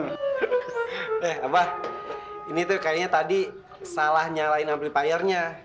eh abah ini tuh kayaknya tadi salah nyalain amplifier nya